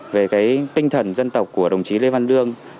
về tinh thần dân tộc của đồng chí lê văn lương